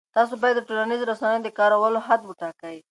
تاسو باید د ټولنیزو رسنیو د کارولو حد وټاکئ.